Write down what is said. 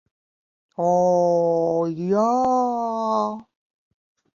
O, jā.